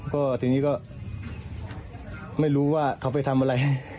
ก็ทีนี้ก็ไม่รู้ว่าเขาไปทำอะไรให้